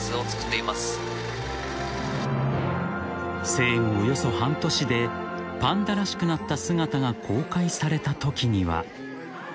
［生後およそ半年でパンダらしくなった姿が公開されたときには］